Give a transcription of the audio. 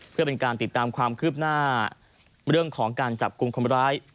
เพื่อเป็นการติดตามความคืบหน้าเรื่องของการจับกลุ่มคนร้าย